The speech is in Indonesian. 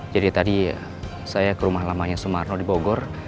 jadi tadi saya ke rumah lamanya sumarno di bogor